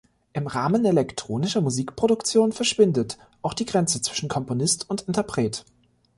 Im Rahmen elektronischer Musikproduktion verschwindet auch die Grenze zwischen Komponist und Interpret.